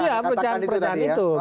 iya perpecahan itu